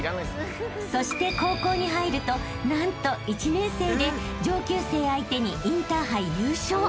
［そして高校に入ると何と１年生で上級生相手にインターハイ優勝］